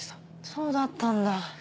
そうだったんだ。